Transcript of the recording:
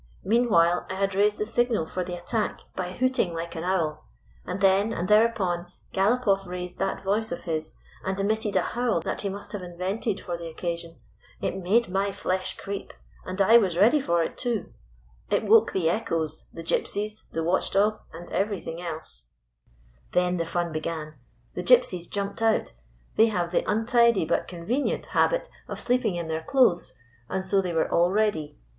Meanwhile I had raised the signal for the attack by liooting like an owl. And then and thereupon Galopoff raised that voice of his, and emitted a howl that he must have in 220 Gyt>sy — io. "'NOW, CHRIS, LET ME KNOW ALL ABOUT IT.'" See p 218. ' THE BATTLE IN THE WOODS vented for the occasion. It made my flesh creep, and I was ready for it, too. It woke the echoes, the Gypsies, the watch dog and everything else. " Then the fun began. The Gypsies jumped out. They have the untidy but convenient habit of sleeping in their clothes, and so they were all ready.